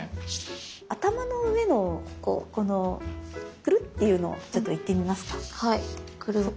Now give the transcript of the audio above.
頭の上のこのクルッていうのをちょっと行ってみますか。